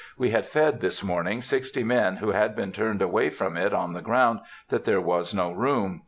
We had fed this morning sixty men who had been turned away from it on the ground that there was no room.